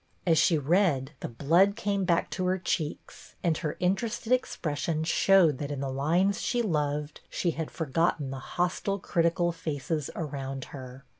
As she read the blood came back to her cheeks, and her interested expression showed that in the lines she loved she had forgotten the hostile, critical faces around her.